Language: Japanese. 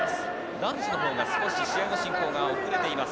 男子のほうは試合の進行が遅れています。